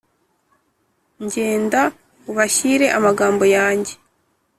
Njyenda ubashyire amagambo yanjye